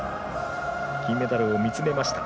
金メダルを見つめました。